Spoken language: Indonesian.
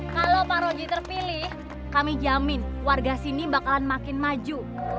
kalau pak rogi terpilih kami jamin warga sini bakalan makin maju